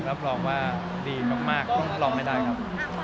รับรองว่าดีมากลองไม่ได้ครับ